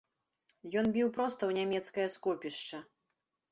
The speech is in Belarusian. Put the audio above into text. Ён біў проста ў нямецкае скопішча.